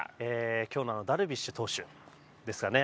今日のダルビッシュ投手ですかね。